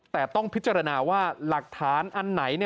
แต่ต้องพิจารณาว่าหลักฐานอันไหน